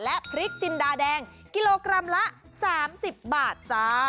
และพริกจินดาแดงกิโลกรัมละ๓๐บาทจ้า